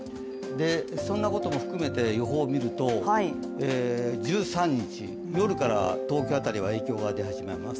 そんなことも含めて予報を見ると１３日、夜から東京辺りは影響が出始めます。